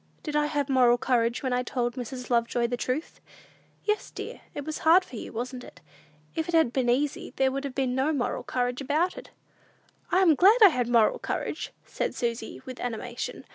"Did I have moral courage when I told Mrs. Lovejoy the truth?" "Yes, dear. It was hard for you, wasn't it? If it had been easy, there would have been no moral courage about it." "I am glad I had moral courage!" said Susy with animation.